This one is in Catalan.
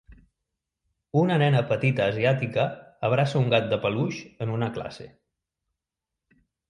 Una nena petita asiàtica abraça un gat de peluix en una classe.